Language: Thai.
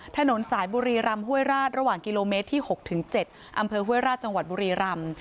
ถนนสายบุรีรำห้วยราชระหว่างกิโลเมตรที่๖๗อำเภอห้วยราชจังหวัดบุรีรำ